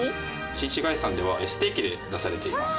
新市街さんではステーキで出されています。